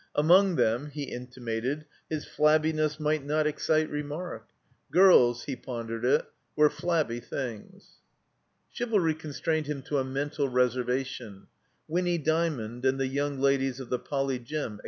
Among them (he intimated) his iSabbiness might not excite xe mark. Girls (he pondered it) were flabby things. Chivalry constrained him to a mental reservation: Winny Dymond and the yoimg ladies of the Poly. Gym.